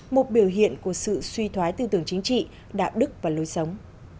một biểu hiện của sự suy thoái tư tưởng chính trị đạo đức và lối sống